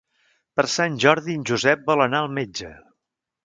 Per Sant Jordi en Josep vol anar al metge.